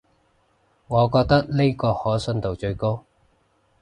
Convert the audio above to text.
我覺得呢個可信度最高